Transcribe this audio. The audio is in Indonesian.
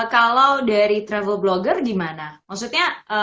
kalau dari travel blogger gimana maksudnya